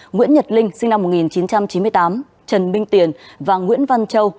nguyễn nhật linh sinh năm một nghìn chín trăm chín mươi tám trần minh tiền và nguyễn văn châu